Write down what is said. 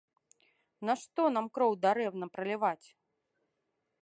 Нашто нам кроў дарэмна праліваць?